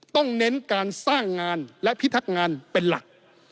เน้นการสร้างงานและพิทักษ์งานเป็นหลัก